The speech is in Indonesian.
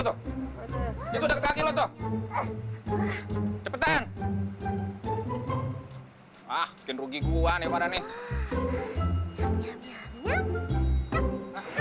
ah mungkin rugi gua nih pada nih